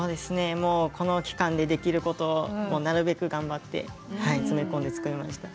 この期間でできることをなるべく頑張って詰め込んで、作りました。